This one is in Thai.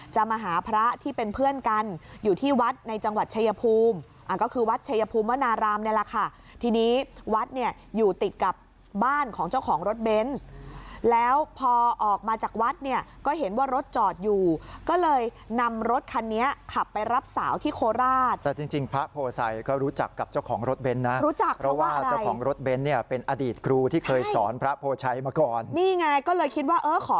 ก็คือวัดเชยภูมิวนารามนี่แหละค่ะทีนี้วัดเนี่ยอยู่ติดกับบ้านของเจ้าของรถเบนส์แล้วพอออกมาจากวัดเนี่ยก็เห็นว่ารถจอดอยู่ก็เลยนำรถคันนี้ขับไปรับสาวที่โคราชแต่จริงพระโพไซก็รู้จักกับเจ้าของรถเบนส์นะเพราะว่าเจ้าของรถเบนส์เนี่ยเป็นอดีตครูที่เคยสอนพระโพไชมาก่อนนี่ไงก็เลยคิดว